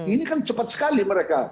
ini kan cepat sekali mereka